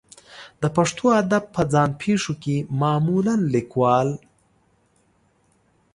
د پښتو ادب په ځان پېښو کې معمولا لیکوال